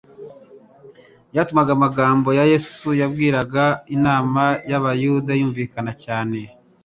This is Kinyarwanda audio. byatumaga amagambo ya Yesu yabwiraga inama y'abayuda yumvikana cyane.